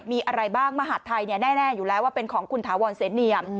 มีอะไรบ้างมหาดไทยแน่อยู่แล้วว่าเป็นของคุณถาวรเสนเนียม